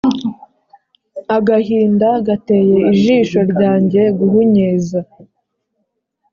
agahinda gateye ijisho ryanjye guhunyeza,